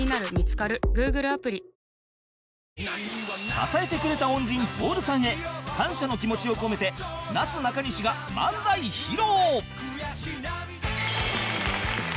支えてくれた恩人徹さんへ感謝の気持ちを込めてなすなかにしが漫才披露！